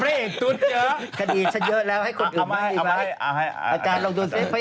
ไปงานก่อน